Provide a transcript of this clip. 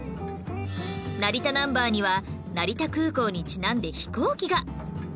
成田ナンバーには成田空港にちなんで飛行機が